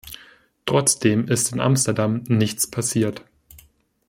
Trotzdem ist in Amsterdam nichts passiert.